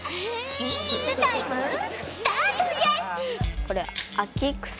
シンキングタイムスタートじゃ。